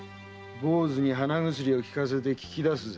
坊主に鼻薬をきかせて聞きだすんだ。